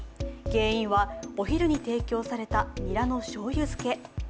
原因はお昼に提供されたニラのしょうゆ漬け。